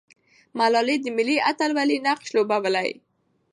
ملالۍ د ملي اتلولۍ نقش لوبولی.